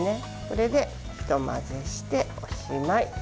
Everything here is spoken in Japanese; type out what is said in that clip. これでひと混ぜして、おしまい。